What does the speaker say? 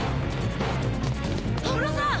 安室さん！